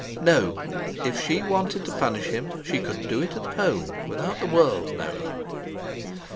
No! if she wanted to punish him, she could do it at home without the world knowing.